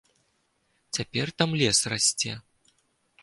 Цяпер там лес расце.